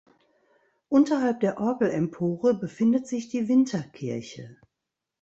Unterhalb der Orgelempore befindet sich die Winterkirche.